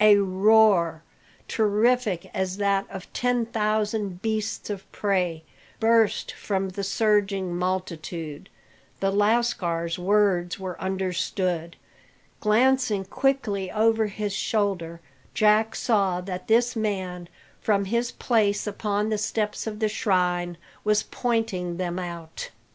A roar, terrific as that of ten thousand beasts of prey, burst from the surging multitude. The lascars words were understood. Glancing quickly over his shoulder, Jack saw that this man, from his place upon the steps of the shrine, was pointing them out.